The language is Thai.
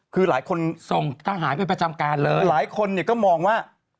คือหลายคนส่งทหารเป็นประจำการเลยหลายคนเนี่ยก็มองว่า